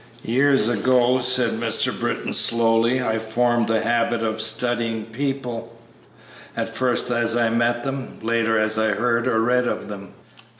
"Years ago," said Mr. Britton, slowly, "I formed the habit of studying people; at first as I met them; later as I heard or read of them.